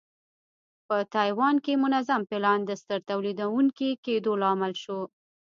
په تایوان کې منظم پلان د ستر تولیدوونکي کېدو لامل شو.